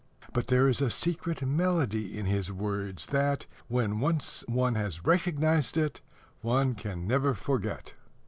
But there is a secret melody in his words that, when once one has recognized it, one can never forget.